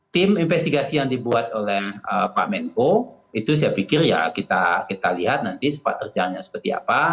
tim investigasi yang dibuat oleh pak menko itu saya pikir ya kita lihat nanti sepak terjalannya seperti apa